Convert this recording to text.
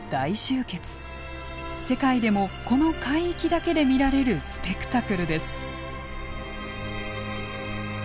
世界でもこの海域だけで見られるスペクタクルです。